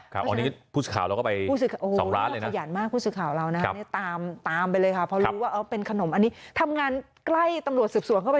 อ๋อก็คือพูดข่าวเราก็ไป๒ร้านด้วยนะ